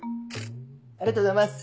ありがとうございます。